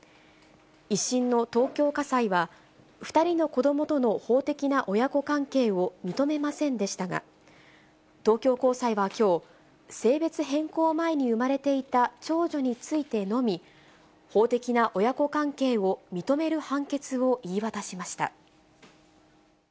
１審の東京家裁は、２人の子どもとの法的な親子関係を認めませんでしたが、東京高裁はきょう、性別変更前に産まれていた長女についてのみ、法的な親子関係を認める判決を言い渡しました。